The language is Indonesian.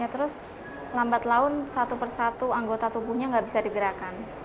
terus lambat laun satu persatu anggota tubuhnya nggak bisa digerakkan